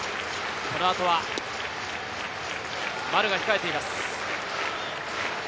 その後は丸が控えています。